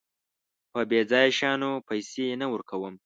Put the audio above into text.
په بېځايه شيانو پيسې نه ورکوم.